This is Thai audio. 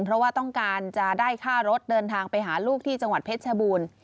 เพราะว่าต้องการจะได้ค่ารถเดินทางไปหาลูกที่จังหวัดเพชรชบูรณ์